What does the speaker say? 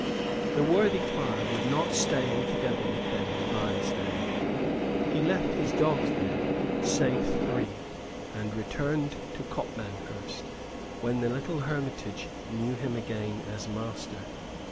The worthy friar would not stay altogether with them in Barnesdale. He left his dogs there save three and returned to Copmanhurst, when the little hermitage knew him again as master.